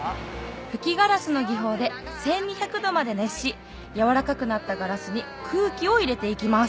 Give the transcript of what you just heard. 吹きガラスの技法で１２００℃まで熱しやわらかくなったガラスに空気を入れて行きます